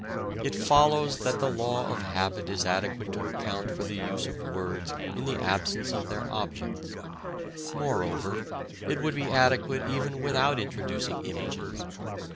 It follows that the law of habit is adequate to account for the use of words in the absence of their objects; moreover, it would be adequate even without introducing images.